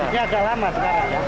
ini agak lama sekarang ya